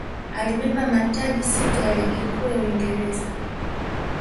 alibeba mataji sita ya ligi kuu ya Uingereza